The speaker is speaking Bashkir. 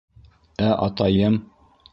— Ә атайым?..